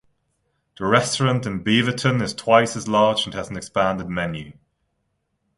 The restaurant in Beaverton is twice as large and has an expanded menu.